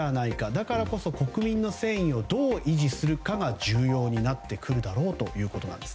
だからこそ国民の戦意をどう維持するかが重要になってくるだろうということです。